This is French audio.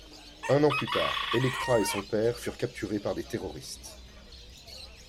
Un an plus tard, Elektra et son père furent capturés par des terroristes.